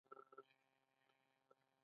د محصله وکتور مقدار اندازه کړئ.